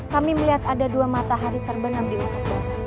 kami melihat ada dua matahari terbenam di masjid